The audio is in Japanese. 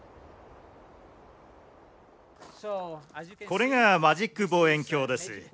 これが「マジック望遠鏡」です。